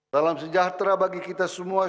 salam sejahtera bagi kita semua